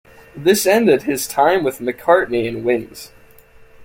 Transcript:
This ended his time with McCartney and Wings.